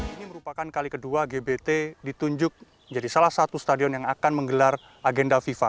ini merupakan kali kedua gbt ditunjuk menjadi salah satu stadion yang akan menggelar agenda fifa